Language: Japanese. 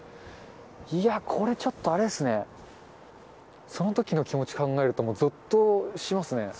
いやー、これちょっとあれですね、そのときの気持ち考えると、ぞっとしますね。